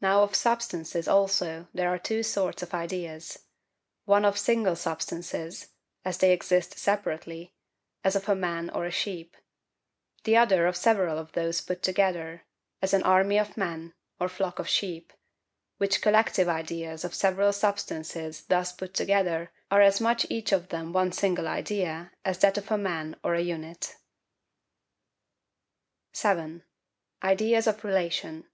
Now of substances also, there are two sorts of ideas:—one of SINGLE substances, as they exist separately, as of a man or a sheep; the other of several of those put together, as an army of men, or flock of sheep—which COLLECTIVE ideas of several substances thus put together are as much each of them one single idea as that of a man or an unit. 7. Ideas of Relation.